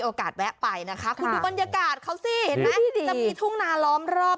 แวะไปนะคะคุณดูบรรยากาศเขาสิเห็นไหมจะมีทุ่งนาล้อมรอบ